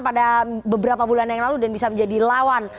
pada beberapa bulan yang lalu dan bisa menjadi lawan